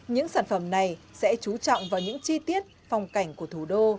những sản phẩm này sẽ trú trọng vào những chi tiết phong cảnh của thủ đô